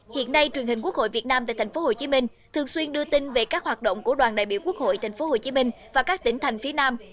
hiện nay truyền hình quốc hội việt nam tại tp hcm thường xuyên đưa tin về các hoạt động của đoàn đại biểu quốc hội tp hcm và các tỉnh thành phía nam